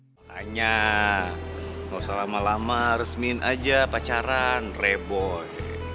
makanya gak usah lama lama resmiin aja pacaran reboi